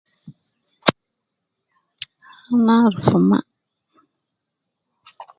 Ana aruf mma.